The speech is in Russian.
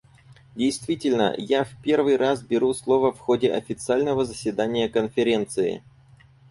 Действительно, я в первый раз беру слово в ходе официального заседания Конференции.